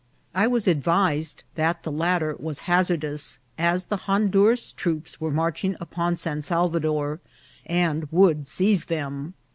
I was ad vised that the latter was hazardous, as the Honduras troops were marching upon San Salvador, and would seize them.